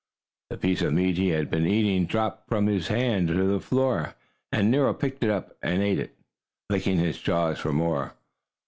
The piece of meat he had been eating dropped from his hand to the floor, and Nero picked it up and ate it, licking his jaws for more.